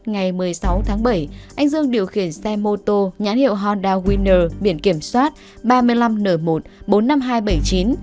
ngày một mươi sáu tháng bảy anh dương điều khiển xe mô tô nhãn hiệu honda winner biển kiểm soát ba mươi năm n một bốn mươi năm nghìn hai trăm bảy mươi chín